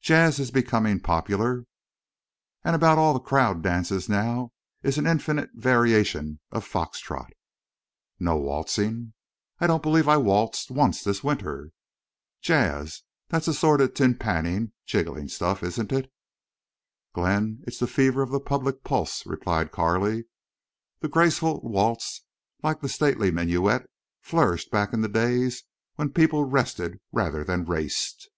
Jazz is becoming popular. And about all the crowd dances now is an infinite variation of fox trot." "No waltzing?" "I don't believe I waltzed once this winter." "Jazz? That's a sort of tinpanning, jiggly stuff, isn't it?" "Glenn, it's the fever of the public pulse," replied Carley. "The graceful waltz, like the stately minuet, flourished back in the days when people rested rather than raced."